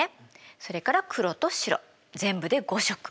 それから黒と白全部で５色。